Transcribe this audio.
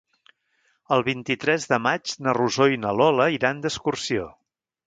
El vint-i-tres de maig na Rosó i na Lola iran d'excursió.